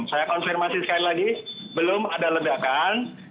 saya konfirmasi sekali lagi belum ada ledakan